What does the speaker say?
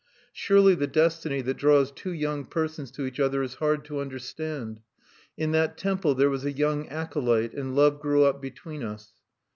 "Surely the destiny that draws two young persons to each other is hard to understand!... In that temple there was a young acolyte, and love grew up between us.